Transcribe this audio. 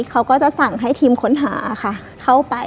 เค้าก็จะสั่งให้ทีมค้นหา